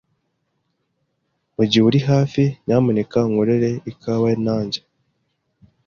Mugihe uri hafi, nyamuneka unkorere ikawa, nanjye.